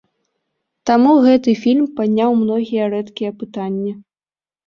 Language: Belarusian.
Таму гэты фільм падняў многія рэдкія пытанні.